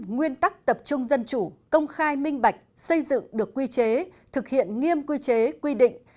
nguyên tắc tập trung dân chủ công khai minh bạch xây dựng được quy chế thực hiện nghiêm quy chế quy định